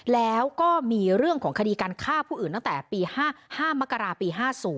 แล้วก็มีเรื่องของคดีการฆ่าผู้อื่นตั้งแต่ปี๕มกราปี๕๐